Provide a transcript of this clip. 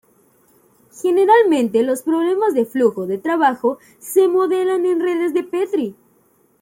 Generalmente los problemas de flujo de trabajo se modelan con redes de Petri.